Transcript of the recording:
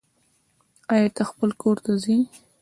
آيا ته خپل کور ته ځي